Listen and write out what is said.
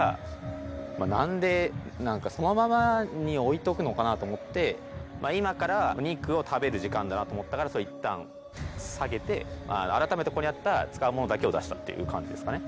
いつもあのこれでまあ何で今からお肉を食べる時間だなと思ったからいったん下げて改めてここにあった使うものだけを出したっていう感じですかね